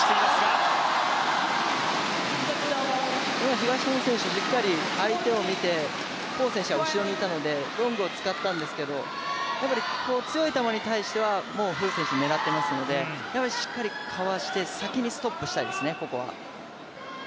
東野選手、しっかり相手を見て黄選手は後ろにいたのでロングを使ったんですけどここは強い球に対してはもう馮選手狙っていますので、しっかりかわして、先にストックしたいですね、ここは。